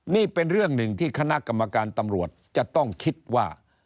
นี่เป็นเรื่องหนึ่งที่คณะกรรมการตำรวจจะต้องคิดว่า